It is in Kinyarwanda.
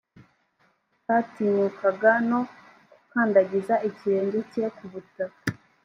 utatinyukaga no gukandagiza ikirenge cye ku butaka